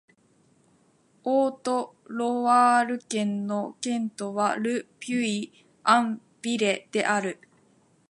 オート＝ロワール県の県都はル・ピュイ＝アン＝ヴレである